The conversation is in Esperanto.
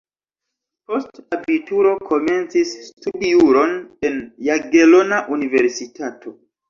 Post abituro komencis studi juron en Jagelona Universitato.